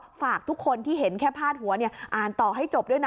ฝากทุกคนที่เห็นแค่พาดหัวอ่านต่อให้จบด้วยนะ